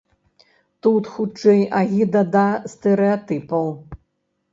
Тут хутчэй агіда да стэрэатыпаў.